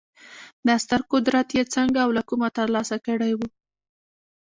دا ستر قدرت یې څنګه او له کومه ترلاسه کړی و